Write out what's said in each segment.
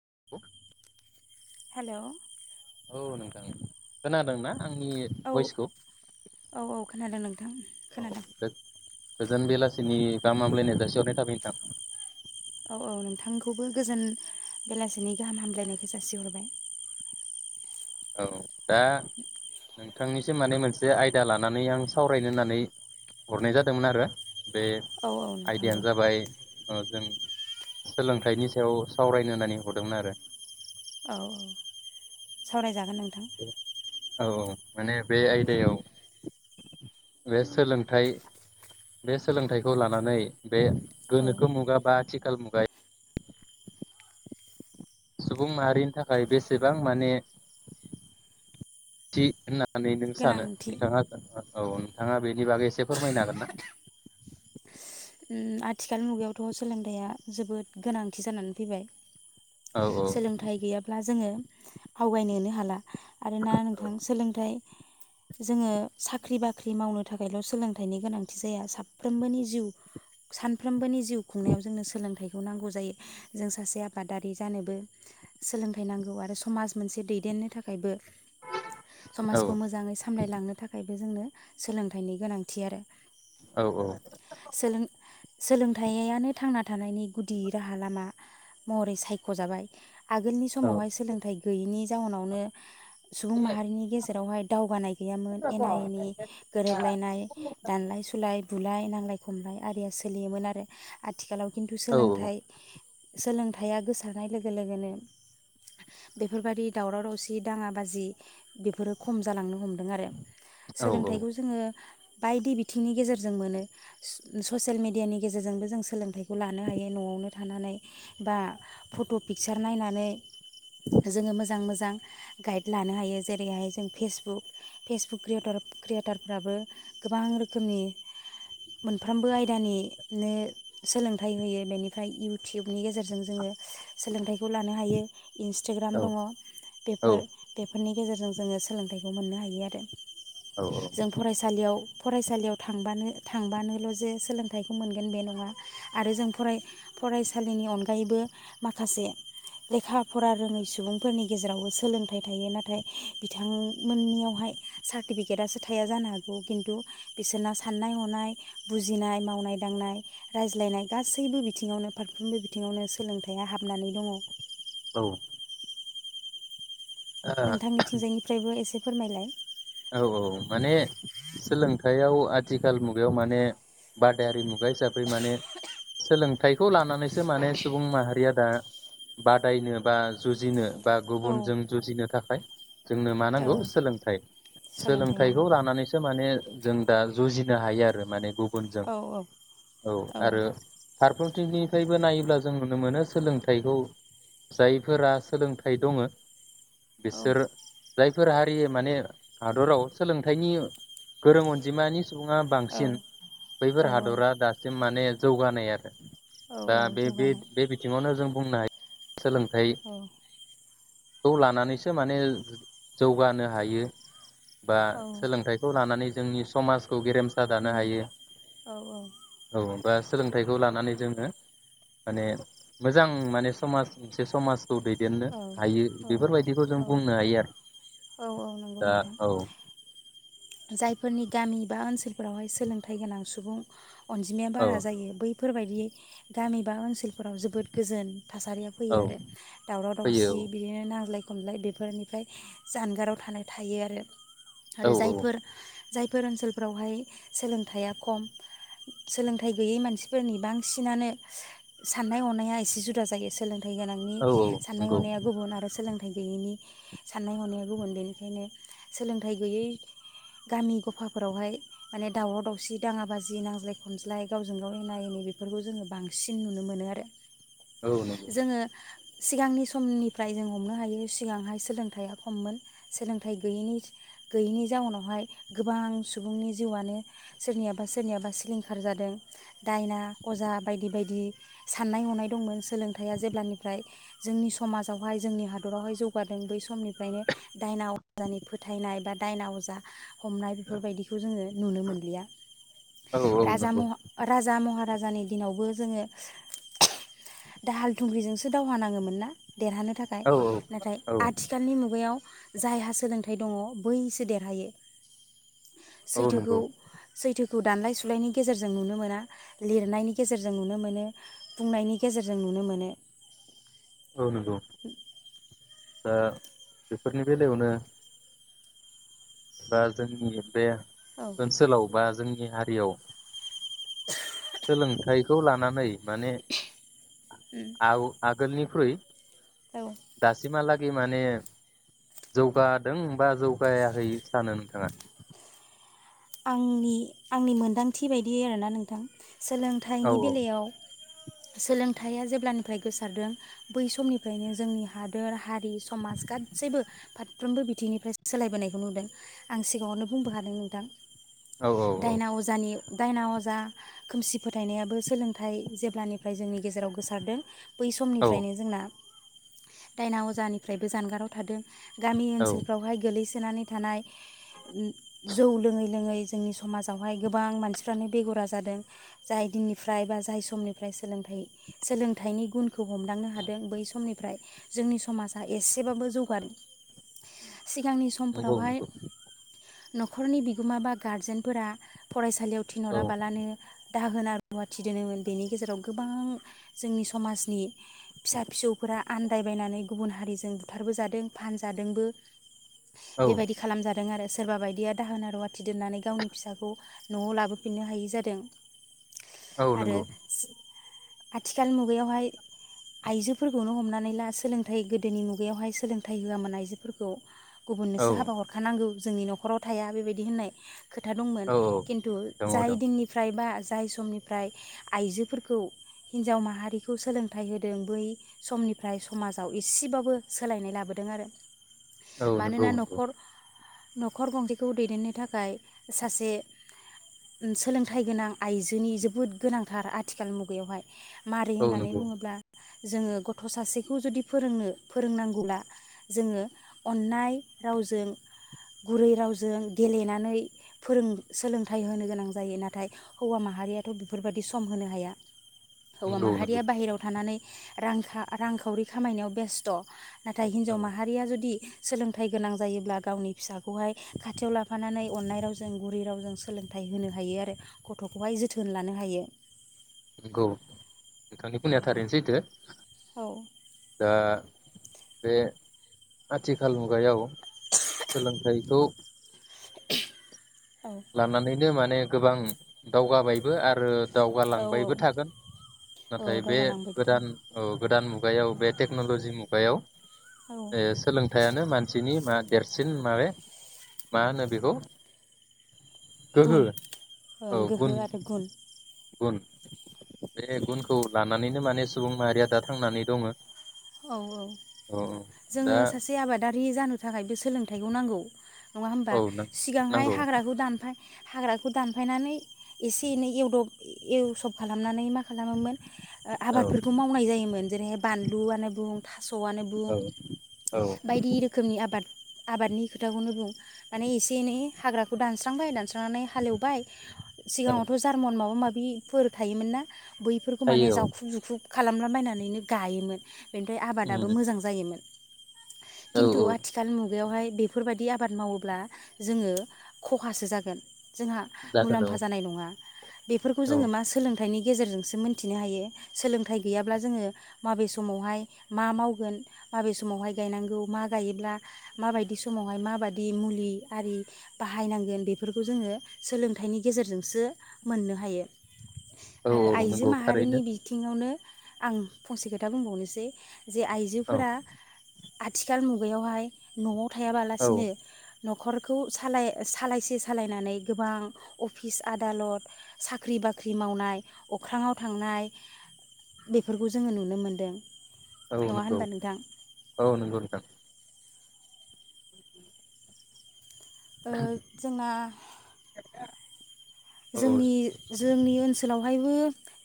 [inaudible] Hello औ नोंथां खोनादों ना? आंनि औ बयसखौ औ औ खोनादों नों औ गो-गोजोन बेलासिनि गाहाम हामब्लायनाय जासिहरनाय थाबाय नोंथां। औ औ नोंथांखौबो गोजोन बेलासिनि गाहाम हामलायनायखौ जासिहरबाय। औ दा नोंथांनिसिम माने मोनसे आयदा लानानै आं सावरायनो होननानै हरनाय जादोंमोन आरो बे औ औ नोंथां बुं आइदियानो जाबाय ओ जों सोलोंथाइनि सायाव सावरायनो होननानै हरदोंमोन आरो औ औ सावराय जागोन नोंथां औ औ माने बे आयदायाव बे सोलोंथाइ बे सोलोंथाइखौ लानानै बे औ गोनोखो मुगा बा आथिखाल बाय सुबुं माहारिनि थाखाय बेसेबां माने थि होनना नानै नों सानो गोनांथि नोंथाङा औ नोंथाङा बेनि बागै एसे फोरमायनो हागोन ना ओम आथिखाल मुगायावथ' सोलोंथायाइा जोबोद गोनांथि जानानै फैबाय औ औ सोलोंथाइ गैयाब्ला जोङो आवगायनोनो हाला आरोना नोंथां सोलोंथाइ जोङो साख्रि बाख्रि मावनो थाखायल' सोलोंथाइनि गोनांथि जाया साफ्रोमबोनि जिउ सानफ्रोमबोनि जिउ खुंनायाव जोंनो सोलोंथाइखौ नांगौ जायो जों सासे आबादारि जानोबो सोलोंथाइ नांगौ आरो समाज मोनसे दैदेननो थाखायबो औ समाजखौ मोजाङै सामलायलांनो थाखायबो जोंनो सोलोंथाइनि गोनांथि आरो औ औ सोलों सोलोंथाइयानो थांना थानायनि गुदि राहा लामा महरै सायख'जाबाय आगोलनि औ समावहाय सोलोंथाइ गैयिनि जाउनावनो सुबुं माहारिनि गेजेरावहाय दावगानाय गैयामोन एना एनि गोरोबलायनाय दानलाय सुलाय बुलाय नांलाय खमलाय आरिया सोलियोमोन आरो आथिखालाव खिन्थु औ सोलोंथाइ सोलोंथाया गोसारनाय लोगो लोगोनो बेफोरबायदि दावराव दावसि दाङा बाजि बेफोरो खम जालांनो हमदों [unintelligible] आरो औ सोलोंथाइखौ जोङो बायदि बिथिंनि गेजेरजों मोनो स-ससियेल मेडियानि गेजेरजोंबो जों सोलोंथाइखौ लानो हायो न'आवनो थानानै बा फट' पिक्सार नायनानै जोंङो मोज जां मोजां गाइड लानो हायो जेरैहाय जों फेसबुक फेसबुक क्रियेटर क्रियेटारफ्राबो गोबां रोखोमनि मोनफ्रोमबो आयदानिनो सोलोंथाइ होयो बेनिफ्राय इउटुबनि गेजेरजों जोङो सोलोंथाइखौ लानो हायो। इन्सटाग्राम औ दङ बेफोर बेफोरनि गेजेरजों जोङो सोलोंथाइखौ मोननो हायो आरो औ जों फरायसालियाव फरायसालियाव थांबानो था थांबानोल' जे सोलोंथाइखौ मोनगोन बे नङा आरो जों फराय- फरायसालिनि अनगायैबो माखासे लेखा फरा रोङै सुबुंफोरनि गेजेरावबो सोलोंथाइ थायो नाथाय बिथांमोननियावहाय सार्टिफिकेटसो थाया जानो हागौ खिन्थु बिसोरना साननाय हनाय बुजिनाय मावनाय दांनाय रायज्लायनाय गासैबो बिथिङावनो फारफ्रोमबो बिथिङावनो सोलोंथाइया हाबनानै दङ। औ। नोंथांनिथिंजायनिफ्रायबो एसे फोरमायलाय? औ औ माने सोलोंथाइयाव आथिखाल मुगायाव माने बादायारि मुगा हिसाबै माने सोलोंथाइखौ लानानैसो माने सुबुं माहारिया दा बादायनो बा जुजिनो बा औ गुबुनजों जुजिनो था खाय जोंनो मा औ नांगौ सोलोंथाइ। सोलोंथाइ सोलोंथाइखौ नांगौ लानानैसो माने जों दा जुजिनो हायो आरो माने गु बुनजों औ औ औ आरो फारफ्रोम थिंनिफ्रायबो नायोब्ला जों नुनो मोनो सोलोंथाइखौ जायफोरा सोलोंथाइ दङ औ बिसोर जाय फोर हारि माने हादराव सोलोंथाइनि गोरों अनजिमानि सुंबुङा बांसिन औ बैफोर हादरा दासिम माने जौगानाय आरो औ दा औ बे जौगानाय बे बिथिंङावनो जों बुंनाय सोलोंथाइ औ खौ लानानैसो माने जौगानो हायो। बा औ सोलोंथाइखौ लानानै जोंनि समाज खौ गेरेमसा दानो हायो औ बा सोलोंथाइखौ लानानै जोङो माने मोजां माने समाज मोनसे समाज खौ दैदेननो औ हायो बेफोरबायदिखौ जों बुंनो हायो आरो औ नंगौ नोंथां औ जायफोरनि गामि बा ओनसोलफोरावहाय सोलोंथाइ गोनां सुबुं अनजिमाया औ बारा जायो बै फोरबायदि गामि बा ओनसोल फोराव जोबोद गोजोन थासारिया फैयो औ आरो दावराव फैयो दावसि बिदिनो नांज्लाय खम खमलाय बेफोरनिफ्राय जानगाराव थानाय थायो आरो। आरो औ औ। जायफोर जायफोर ओनसोलफोरावहाय सोलोंथाइया खम सोलोंथाइ गैयै मानसिफोरनि बांसिनानो साननाय हनाया एसे जुदा जायो सोलों थाइ गोनांनि औ औ साननाय नंगौ हनाया गुबुन आरो सोलों सोलोंथाइ गैयैनि साननाय हनाया गुबुन बेनिखायनो सोलोंथाइ गैयै गामि गफाफोरावहाय माने दावराव दावसि दाङा बाजि नांज्लाय खमज्लाय गावजों गाव एना एनि बेफोरखौ जोङो बांसिन नुनो मोनो आरो। औ नंगौ जोङो सिगांनि समनिफ्राय जों हमनो हायो सिगांहाय सोलोंथाइआ खममोन सोलोंथाइ गैयनि गैयैनि नि जाउनावहाय गोबां सुबुंनि जिउआनो सोरनियाबा सोरनियाबा सिलिंखार जादों दायना अजा बायदि बायदि सान्नाय हनाय दंमोन सोलोंथाइया जेब्लानिफ्राय जोंनि समाजावहाय जोंनि हादरावहाय जौगादों बै समनिफ्रायनो दायना अजानि फोथायनाय बा दायना अजा दा हमनाय बेफोरबायदिखौ जोङो नुनो मोनलिया औ औ नंगौ राजा महा राजानि दिनावबो जोङो दाहाल थुंख्रिजोंसो दावहा नाङोमोन ना? देरहानो थाखाय औ नाथाय औ आथिखालनि मुगायाव जायहा सोलोंथाइ दङ बैसो दे हायो। औ सैथोखौ नंगौ सैथो खौ दानलाय सुलायनायनि गेजेरजों नुनो मोना लिरनायनि गेजेरजों नुनो मोनो बुंनायनि गेजेरजों नुनो मोनो। औ नगौ। ओ बेफोरनि बेलायावनो बा जोंनि बे औ ओनसोलाव बा जोंनि जोंनि हारियाव सोलोंथाइखौ लानानै माने आहु आग आगोलनिख्रुय औ दासिमहा लाग माने जौगादों बा जौगायाखै सानो नोंथाङा? आंनि आंनि मोनदांथि बायदि आरोना नोंथां। औ सोलोंथाइनि बेलायाव सोलोंथाइया जेब्लानिफ्राय गोसारदों बै समनिफ्रायनो जोंनि हादोर हारि समाज गासैबो फारफ्रोमबो बिथिंनिफ्राय सोलायबोनायखौ नुदों आं सिगाङावनो बुंबो खादों नोंथां। औ दायना अजानि दायना अजा खोमसि फोथायनायाबो सोलोंथाइ जेब्लानिफ्राय जोंनि गेजेराव गोसारदों बै औ समनिफ्रायनो जोंना दायना अजानिफ्रायबो जानगाराव थादों। गामि औ ओनसोलफ्रावहाय गोलै सानै थानाय जौ लोङै लोङै जोंनि समाजावहाय गोबां मानसिफ्रानो बेगरा जादों जाय दिननिफ्राय बा जाय समनिफ्राय सोलोंथाइ सोलोंथाइनि गुनखौ हमदांनो हादों बै समनिफ्राय जोंनि समाजा एसेबाबो जौगानो सिगांनि नंगौ समफोरावहाय नंगौ न'खरनि बि गोमा बा गारजेनफोरा फरायसालियाव औ थिनहराबालानो दाहोना रुवाथि दोनोमोन बेनि गेजेराव गोबां जोंनि समाजनि फिसा फिसौफोरा आन्दायबायनानै गुबुन हारिजों बुथारबोजादों फानजादोंबो। औ बेबायदि खालामजादों आरो। सोरबा बायदिया दाहोन रुवा थि दोननानै गावनि फिसाखौ न'आव लाबोफिननो हायि जादों। औ आरो नंगौ आथिखाल मुगायावहाय आइजोफोरखौनो हमनानै ला सोलोंथाइ गोदोनि मुगायावहाय सोलोंथाइ होआमोन आइजोफोरखौ। औ गुबुननोसो हाबा हरखानांगौ जोंनि न'खराव थाया बेबायदि होननाय खोथा दंमोन औ खिन्थु दङ जाय दं दिननिफ्राय बा। जाय समनिफ्राय आइजोफोरखौ हिनजाव माहारिखौ सोलोंथाइ होदों बै समनिफ्राय समाजाव एसेबाबो सोलायनाय लाबोदों आरो। औ नंगौ मानोना नंगौ न'खर। न'खर गंसेखौ दैदेननो थाखाय। थाखाय सासे सोलोंथाइ गोनां आइजोनि जोबोद गोनांथार आथिखाल मुगायावहाय। मारिै औ होननानै नंगौ बुङोब्ला। जोङो गथ' सासेखौ जुदि फोरोंनो फोरोंनांगौब्ला जोङो अन्नाय रावजों गुरै रावजों गेलेनानै। फोरों सोलोंथाइ होनो गोनां जायो नाथाय हौवा माहारियाथ' बेफोरबायाददि सम होनो हाया। हौवा नंगौ नंगौ माहारिया बाहेरायाव थानानै। रां रांखावरि खामायनायाव बेस्थ'। नाथाय औ हिन्जाव माहारिया जुदि। सोलोंथाइ गोनां जायोब्ला गावनि फिसाखौहाय खाथियाव लाफानानै। अननाय रावजों गुरै रावजों सोलोंथाइ होनो हायो आरो गथ'खौहाय जोथोन लानो हायो। नंगौ नोंथांनि बुंनाया थारैनोसैथो। औ दा। बे आथिखाल मुगायाव सोलोंथाइखौ। [inaudible] लानानैनो मान। माने गोबां दावगाबायबो आरो। औ औ दावगालांबायबो थागोन नाथाय औ बे दावगालांबाय गोदान औ। गोदान मुगायाव बे टेक्न'ल'जि मुगायाव जे सोलोंथाइयानो मानसिनि। मा देरसिन माने मा होनो बेखौ। गोहो गुन औ ओं गुन गोहो आरो गुन। गुन बे गुनखौ लानानैनो माने सुबुं माहारिया दा थांनानै दङ। औ औ औ दा जोङो सासे आबादारि जानो थाखाय बे सोलोंथाइखौ नांगौ। नङा होमबा औ सिगांहाय नांगौ हाग्राखौ दानफाय हाग्राखौ दानफायनानै एसे एनै एवदब एवसब खालामनानै मा खालामोमोन। ओ औ आबादफोरखौ मावनाय जायोमोन। जेरै बानलु आनो [inaudible] थास'आनो बुं औ औ बायदि रोखोमनि आबाद। आबादनि खोथाखौनो बुं माने एसे एनै हाग्राखौ दानस्रांबाय दानस्रांनानै हालेवबाय। औ सिगाङावथ' जार्मन माबा माबि। बिफोर थायोमोन ना। बैफोरखौ माने थायो औ जावखुब जुखुब खालामला बायनानैनो गायोमोन। बेनिफ्राय आबादाबो उम मोजां जायोमोन। औ खिन्थु औ आथिखाल मुगायावहाय बेफोरबायदि आबाद मावोब्ला जोङो खहासो जागोन। जोंहा जागोन औ मुलाम्फा जानाय नङा बेफोरखौ औ जोङो मा सोलोंथाइनि गेजेरजोंसो मोनथिनो हायो सोलोंथाइ गैयाब्ला जोङो माबे समावहाय मा मावगोन माबे समावहाय गायनांगौ मा गायोब्ला माबायदि समावहाय माबायदि मुलि आरि बाहायनांगोन बेफोरखौ जोङो सोलोंथाइनि गेजेरजोंसो मोननो हायो औ आरो औ आइजो नंगौ माहारिनि थारैनो बिथिङावनो आं फंसे खोथा बुंबावनोसै जे औ आइजोफोरा आथिखाल मुगायावहाय न'आव औ थायाबालासिनो न'खरखौ सालाय सालायसे सालायनानै गोबां अफिस आदालत साख्रि बाख्रि मावनाय अख्राङाव थांनाय बेफोरखौ जोङो नुनो मोनदों। औ नङा नंगौ होनबा नोंथां औ नंगौ नोंथां। [inaudible] ओ जोंना औ जोंनि जोंनि ओन- ओनसोलावहायबो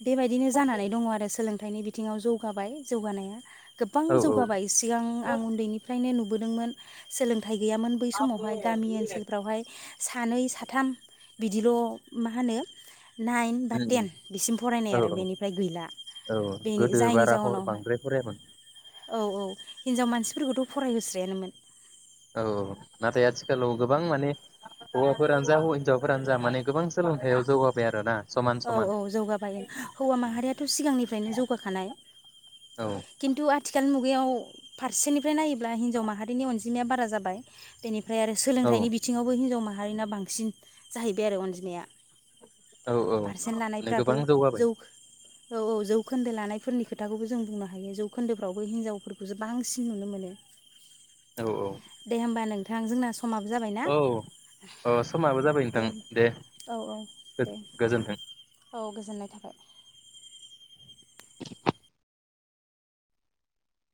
बेबायदिनो जानानै दङ आरो सोलोंथाइनि बिथ - बिथिङाव जौगाबाय जौगानाया गोबां औ उम जौगाबाय सिगां आं उन्दैनिफ्रायनो नु- बोदोंमोन सोलों - थाइ गैयामोन बै समावहाय औ गामि ओनसोलफ्रावहाय सानै साथाम बिदिल' मा होनो नाइन बा टेन बिसिम फरायनाय आरो औ बेनिफ्राय गैला औ बेनि गोदो जायनि बारा हर जाउनावहाय बांद्राय फरायामोन औ औ हिनजाव मानसिफोरखौथ' फरायहोस्रायानोमोन औ नाथाय आथिखालाव गोबां माने हौवाफोरानो जा हौ हिनजावफोरानो जा माने गोबां सोलोंथाइयाव जौगाबाय आरो ना। औ औ जौगाबाय हौवा माहारियाथ' सिगांनिफ्रायनो जौगाखानाय औ खिन्थु आथिखाल मुग- मुगायाव फारसेनिफ्राय नायोब्ला हिनजाव माहारिनि अनजिमाया बारा जाबाय बेनि फ्राय आरो औ सोंलोंथाइनि बिथिङावबो हिन्जाव माह- मारैना बांसिन जाहैबाय आरो अनजिमाया औ औ! पारसेन्ट माने लानायफ्राबो गोबां जौ जौगाबाय औ औ जौखोन्दो लानायफोरनि खोथाखौबो जों बुंनो- हायो जौखोन्दोफ्रावबो हिनजावफोरखौसो बांसिन नुनो मोनो औ दे होमबा नों थां जोंना समाबो जाबायना औ ओ समाबो जाबाय नोंथां दे औ औ दे गोजोन्थों। औ गोजोननाय थाबाय।